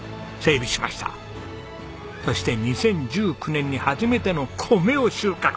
そして２０１９年に初めての米を収穫。